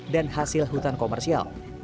dan hasil hutan komersial